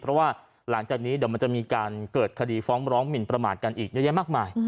เพราะว่าหลังจากนี้เดี๋ยวมันจะมีการเกิดคดีฟ้องร้องหมินประมาทกันอีกเยอะแยะมากมาย